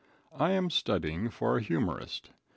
I am studying for a Humorist.